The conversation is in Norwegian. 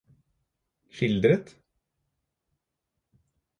skildret